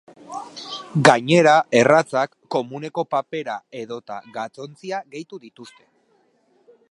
Gainera, erratzak, komuneko papera edota gatzontzia gehitu dituzte.